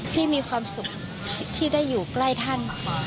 มีความสุขที่ได้อยู่ใกล้ท่าน